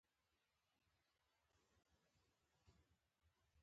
یوه مشهور مجرم پېژندونکي یوه خبره کړې ده